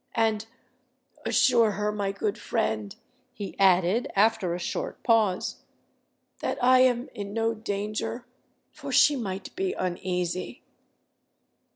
And—assure her, my good friend," he added, after a short pause, "that I am in no danger—for she might be uneasy."